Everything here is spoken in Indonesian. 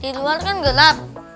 di luar kan gelap